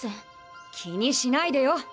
気にしないでよ。